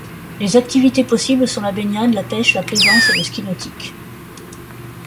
Les activités possibles sont la baignade, la pêche, la plaisance et le ski nautique.